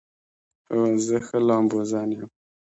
هو، زه ښه لامبوزن یم